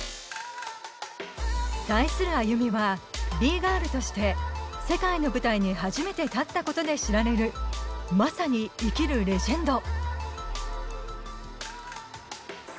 対するＡｙｕｍｉは、Ｂ−Ｇｉｒｌとして世界の舞台に初めて立ったことで知られるまさに生きるレジェンド。